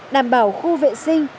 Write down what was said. đảm bảo khu vệ sinh